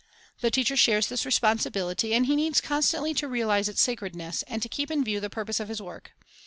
The teacher shares this responsibility, and he needs constantly to realize its sacredness, and to keep in view the purpose of his work.